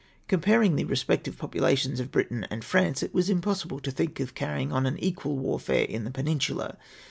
" Comparing the respective populations of Britain and France, it was impossible to think of carrying on an equal warfixre in the Peninsula.